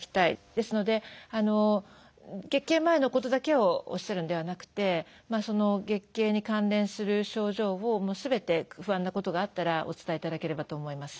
ですので月経前のことだけをおっしゃるのではなくて月経に関連する症状をすべて不安なことがあったらお伝えいただければと思います。